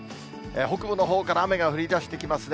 北部のほうから雨が降りだしてきますね。